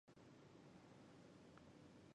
下面的例子包括了源代码和渲染结果。